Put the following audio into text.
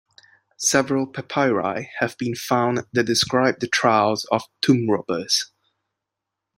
Several papyri have been found that describe the trials of tomb robbers.